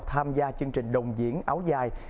tham gia chương trình đồng diễn áo dài